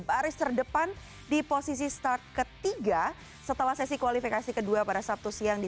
baris terdepan di posisi start ketiga setelah sesi kualifikasi kedua pada sabtu siang di